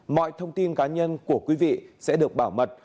mọi thông tin cá nhân của quý vị sẽ được bảo mật